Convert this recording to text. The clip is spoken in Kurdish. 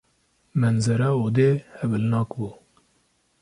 Menzera odê hewilnak bû.